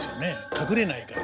隠れないから。